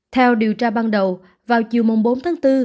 theo điều tra ban đầu vào chiều bốn tháng bốn